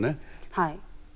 はい。